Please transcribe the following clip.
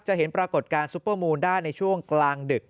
เห็นปรากฏการณซุปเปอร์มูลได้ในช่วงกลางดึก